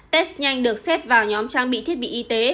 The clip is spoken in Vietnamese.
test nhanh được xét vào nhóm trang bị thiết bị y tế